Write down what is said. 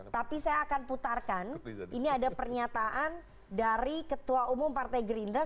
tapi saya akan putarkan ini ada pernyataan dari ketua umum partai gerindra